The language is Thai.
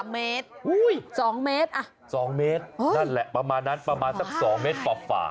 เมตร๒เมตร๒เมตรนั่นแหละประมาณนั้นประมาณสัก๒เมตรฝ่า